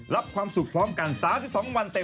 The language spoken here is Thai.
รับความสุขพร้อมกัน๓๒วันเต็ม